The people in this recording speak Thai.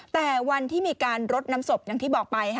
แต่วันที่มีการรดน้ำศพอย่างที่บอกไป